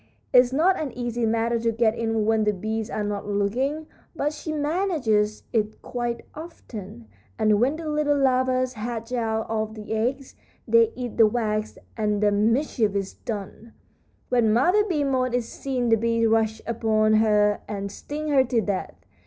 It's not an easy matter to get in when the bees are not looking, but she manages it quite often; and when the little larvas hatch out of the eggs, they eat the wax and the mischief is done. When Mother Bee Moth is seen the bees rush upon her and sting her to death.